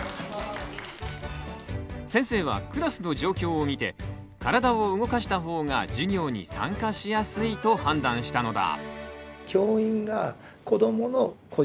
先生はクラスの状況を見て体を動かした方が授業に参加しやすいと判断したのだ。